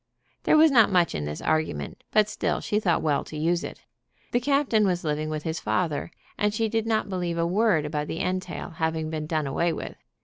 There was not much in this argument, but still she thought well to use it. The captain was living with his father, and she did not believe a word about the entail having been done away with.